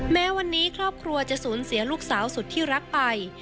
แม้วันนี้ครอบครัวจะสูญเสียลูกสาวสุดที่รักไป